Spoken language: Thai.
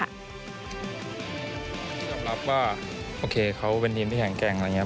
ยอมรับว่าโอเคเขาเป็นทีมที่แข็งแกร่งอะไรอย่างนี้